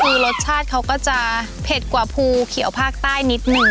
คือรสชาติเขาก็จะเผ็ดกว่าภูเขียวภาคใต้นิดนึง